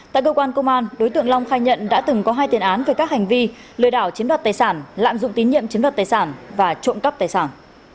tại cơ quan công an đối tượng long khai nhận đã từng có hai tiền án về các hành vi lừa đảo chiếm đoạt tài sản lạm dụng tín nhiệm chiếm đoạt tài sản và trộm cắp tài sản